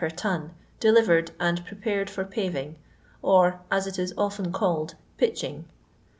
per ton, de livered, and prepared for paving, or, as it is often called, pitching."